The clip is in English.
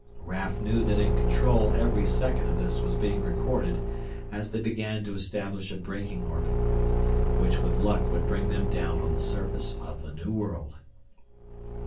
Raf knew that in control every second of this was being recorded as they began to establish a braking orbit, which with luck would bring them down on the surface of the new world.